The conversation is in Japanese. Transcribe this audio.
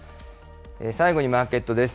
最後にマーケットです。